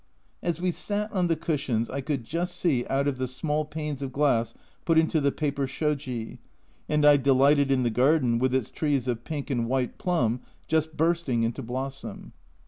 As we sat on the cushions I could just see out of the small panes of glass put into the paper sojt, and I delighted in the garden, with its trees of pink and white plum just bursting into blossom.